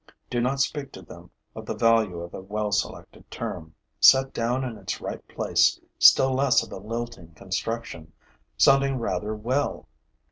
Do not speak to them of the value of a well selected term, set down in its right place, still less of a lilting construction, sounding rather well.